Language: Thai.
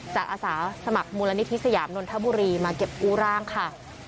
อาสาสมัครมูลนิธิสยามนนทบุรีมาเก็บกู้ร่างค่ะ